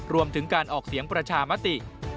รวมถึงการออกเสียงประชามติ